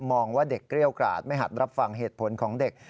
ว่าเด็กเกรี้ยวกราดไม่หัดรับฟังเหตุผลของเด็ก